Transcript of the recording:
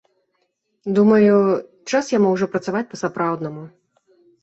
Думаю, час яму ўжо працаваць па-сапраўднаму.